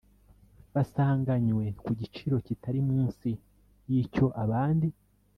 basanganywe ku giciro kitari munsi y icyo abandi